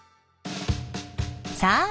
さあ